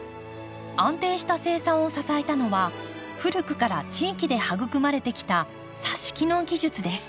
安定した生産を支えたのは古くから地域で育まれてきたさし木の技術です。